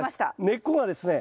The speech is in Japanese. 根っこがですね